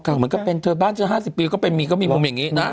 เหมือนก็เป็นเธอบ้านเธอ๕๐ปีก็เป็นมีก็มีมุมอย่างนี้นะ